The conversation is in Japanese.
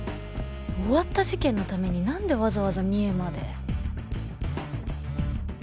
終わった事件のためになんでわざわざ三重まで。